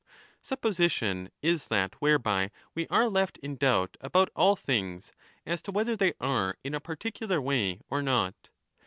30 Supposition is that whereby we are left in doubt about all things as to whether they are in a particular way or not.